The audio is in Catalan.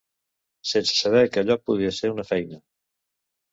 sense saber que allò podia ser una feina